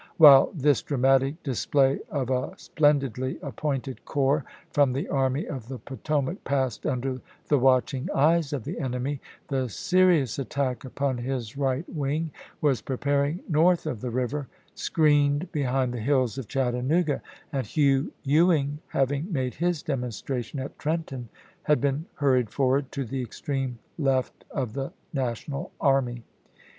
While this dramatic display of a splendidly appointed corps from the Army of the Potomac passed under the watching eyes of the enemy, the serious attack upon his right wing was preparing north of the river, screened behind the hills of Chattanooga; and Hugh Ewing, having made his demonstration at Trenton, had been hurried forward to the extreme left of the National army.